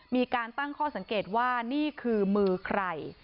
มีการตั้งข้อสังเกตว่านี่คือมือใคร